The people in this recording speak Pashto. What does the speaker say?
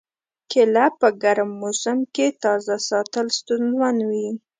کېله په ګرم موسم کې تازه ساتل ستونزمن وي.